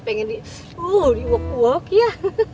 pengen diwok wok ya